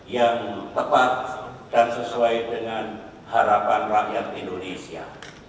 yang tepat dan sesuai dengan harapan rakyat indonesia